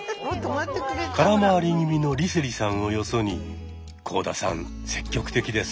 空回り気味の梨星さんをよそに幸田さん積極的です。